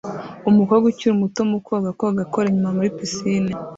Umukobwa ukiri muto mu koga koga akora inyuma muri pisine